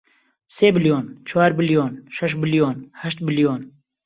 سێ بلیۆن، چوار بلیۆن، شەش بلیۆن، هەشت بلیۆن